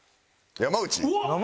山内？